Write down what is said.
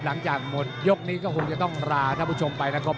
หลังจากหมดยกนี้ก็คงจะต้องลาท่านผู้ชมไปนะครับ